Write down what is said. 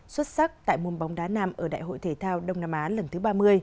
xuất sắc tại môn bóng đá nam ở đại hội thể thao đông nam á lần thứ ba mươi